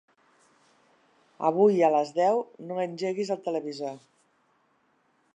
Avui a les deu no engeguis el televisor.